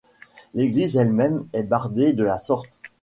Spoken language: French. L'église elle-même est bardée de la sorte.